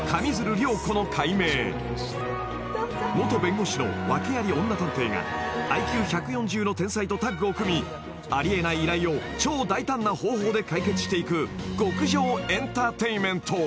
［元弁護士の訳あり女探偵がＩＱ１４０の天才とタッグを組みあり得ない依頼を超大胆な方法で解決していく極上エンターテインメント］